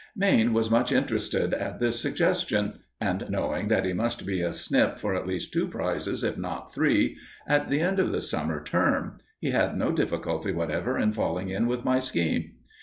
Mayne was much interested at this suggestion, and, knowing that he must be a snip for at least two prizes, if not three, at the end of the summer term, he had no difficulty whatever in falling in with my scheme.